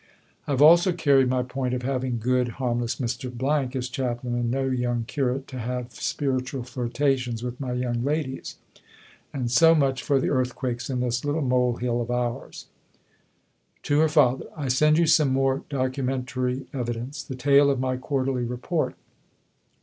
I have also carried my point of having good, harmless Mr. as Chaplain; and no young curate to have spiritual flirtations with my young ladies. And so much for the earthquakes in this little mole hill of ours. (To her Father.) ... I send you some more documentary evidence the tail of my Quarterly Report.